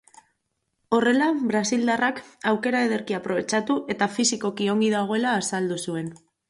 Horrela, brasildarrak aukera ederki aprobetxatu eta fisikoki ongi dagoela azaldu zuen.